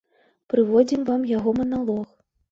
Прыводзім вам яго маналог.